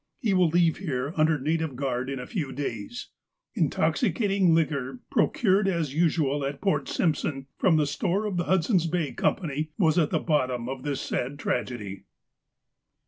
He will leave here under native guard in a few days. " Intoxicating liquor, procured, as usual, at Port Simpson, from the store of the Hudson's Bay Company, was at the bot tom of this sad tragedy."